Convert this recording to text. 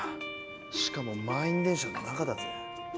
しかも満員電車の中だぜ。